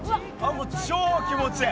もう超気持ちいい！